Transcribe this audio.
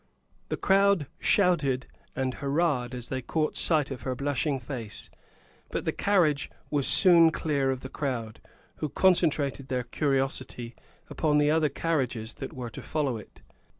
The crowd shouted and hurrahed as they caught sight of her blushing face, but the carriage was soon clear of the crowd, who concentrated their curiosity upon the other carriages that were to follow it.